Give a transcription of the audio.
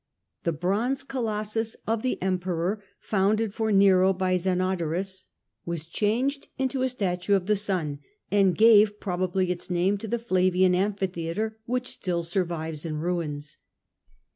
The bronze colossus of the Emperor, founded for Nero by Zenodorus, was changed into a statue of the Sun, and gave probably its name to the Flavian Amphitheatre which still survives in ruins.